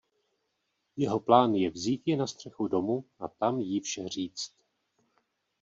Jeho plán je vzít ji na střechu domu a tam jí vše říct.